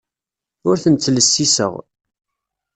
Ur ten-ttlessiseɣ.